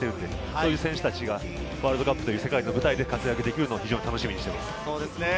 そういう選手たちが世界の舞台で活躍できるのを楽しみにしています。